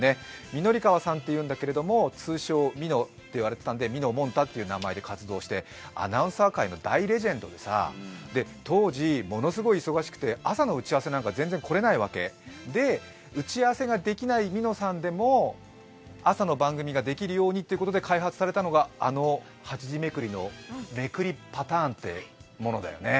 御法川さんって言うんだけれども通称・みのと呼ばれていたんでみのもんたという名前で活動してアナウンサー界の大レジェンドで当時、ものすごい忙しくて朝の打ち合わせなんか全然来れないわけ、で、打ち合わせができないみのさんでも朝の番組ができるようにと開発されたのがあの８時めくりのめくりパターンってものだよね。